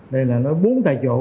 đây là nói bốn tại chỗ